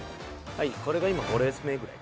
はいこれが今５レース目ぐらい。